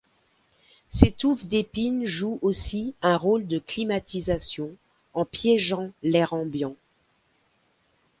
Ces touffes d'épines jouent aussi un rôle de climatisation en piégeant l'air ambiant.